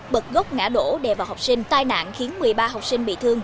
bật gốc ngã đổ đè vào học sinh tai nạn khiến một mươi ba học sinh bị thương